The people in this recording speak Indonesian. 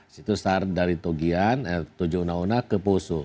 situ start dari tugian tojounah unah ke poso